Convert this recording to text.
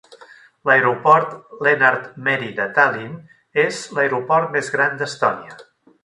L'Aeroport Lennart Meri de Tallin és l'aeroport més gran d'Estònia.